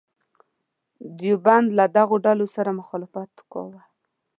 دیوبند له دغو ډلو سره مخالفت وکاوه.